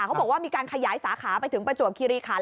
เขาบอกว่ามีการขยายสาขาไปถึงประจวบคิริขัน